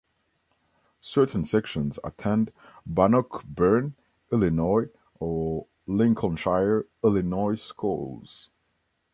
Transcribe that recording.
Certain sections attend Bannockburn, Illinois or Lincolnshire, Illinois schools.